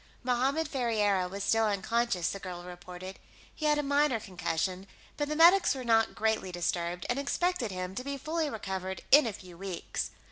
Mohammed Ferriera was still unconscious, the girl reported; he had a minor concussion, but the medics were not greatly disturbed, and expected him to be fully recovered in a few weeks.